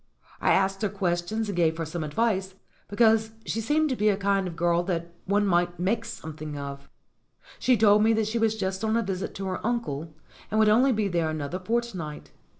I asked her questions and gave her some advice, because she seemed to be a kind of girl that one might make something of. She told me that she was just on a visit to her uncle, and would only be there another fortnight.